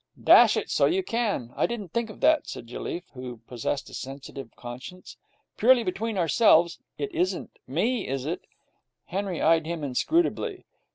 'Dash it, so you can. I didn't think of that,' said Jelliffe, who possessed a sensitive conscience. 'Purely between ourselves, it isn't me, is it?' Henry eyed him inscrutably.